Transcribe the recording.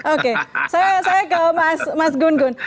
oke saya ke mas gun gun